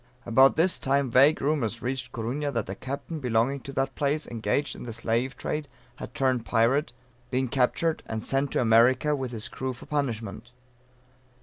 About this time vague rumors reached Corunna, that a Captain belonging to that place, engaged in the Slave Trade, had turned Pirate, been captured, and sent to America with his crew for punishment.